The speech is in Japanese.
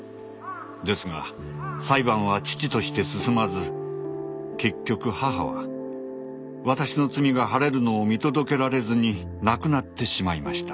ですが裁判は遅々として進まず結局母は私の罪が晴れるのを見届けられずに亡くなってしまいました。